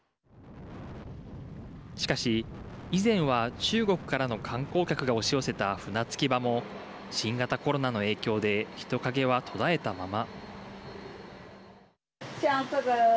しかし、以前は中国からの観光客が押し寄せた船着き場も新型コロナの影響で人影は途絶えたまま。